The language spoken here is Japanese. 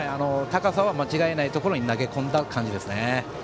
高さは間違いないところに投げ込んだ感じですね。